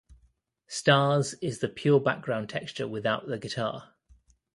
"Stars" is the pure background texture without the guitar.